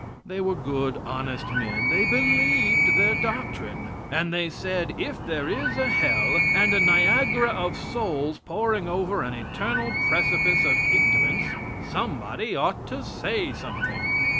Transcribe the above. They were good, honest men. They believed their doctrine. And they said: "If there is a hell, and a Niagara of souls pouring over an eternal precipice of ignorance, somebody ought to say something."